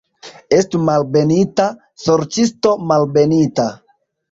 Estu malbenita, sorĉisto, malbenita.